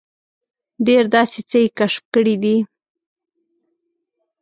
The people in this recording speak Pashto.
ډېر داسې څه یې کشف کړي دي.